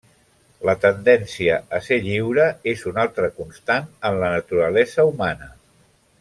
La tendència a ser lliure és una altra constant en la naturalesa humana.